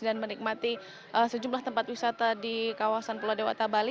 dan menikmati sejumlah tempat wisata di kawasan pulau dewata bali